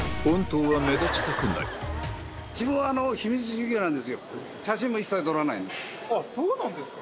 続いてそうなんですか？